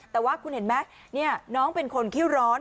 แต่ว่าคุณเห็นไหมน้องเป็นคนขี้ร้อน